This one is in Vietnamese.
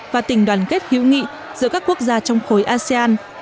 và tình đoàn kết hữu nghị giữa các quốc gia trong khối asean